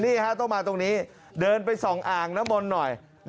นี่ฮะต้องมาตรงนี้เดินไปส่องอ่างน้ำมนต์หน่อย